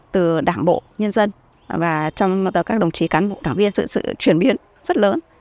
từ đảng bộ nhân dân và trong các đồng chí cán bộ đảng viên sự chuyển biến rất lớn